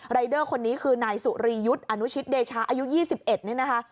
เดอร์คนนี้คือนายสุรียุทธ์อนุชิตเดชาอายุ๒๑นี่นะคะ